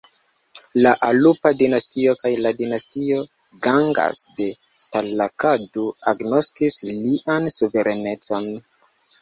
La Alupa dinastio kaj la dinastio Gangas de Talakadu agnoskis lian suverenecon.